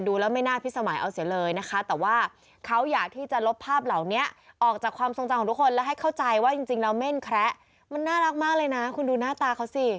ดูหน้าตาเขาสิพริ้มเลยอ่า